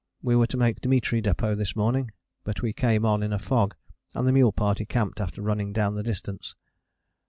_ We were to make Dimitri Depôt this morning, but we came on in a fog, and the mule party camped after running down the distance.